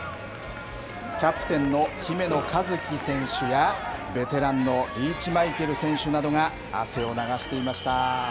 キャプテンの姫野和樹選手やベテランのリーチマイケル選手などが汗を流していました。